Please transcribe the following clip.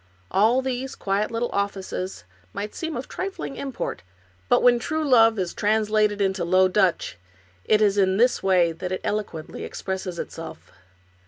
All these quiet little offices may seem of trifling import, but when true love is translated into Low Dutch it is in this way that it eloquently expresses itself.